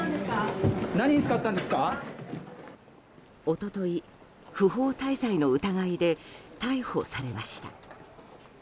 一昨日、不法滞在の疑いで逮捕されました。